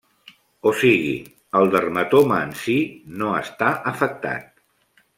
O sigui, el dermatoma en si no està afectat.